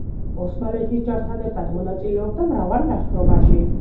ოსმალეთის ჯართან ერთად მონაწილეობდა მრავალ ლაშქრობაში.